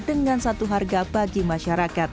dengan satu harga bagi masyarakat